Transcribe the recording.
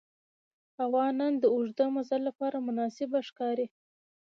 هوا نن د اوږده مزل لپاره مناسبه ښکاري